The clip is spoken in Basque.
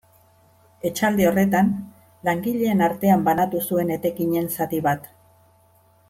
Etxalde horretan, langileen artean banatu zuen etekinen zati bat.